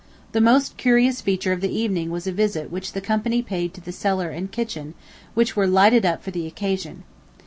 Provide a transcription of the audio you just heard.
The most curious feature of the evening was a visit which the company paid to the cellar and kitchen, which were lighted up for the occasion.